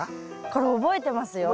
これ覚えてますよ。